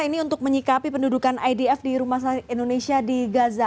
ini untuk menyikapi pendudukan idf di rumah sakit indonesia di gaza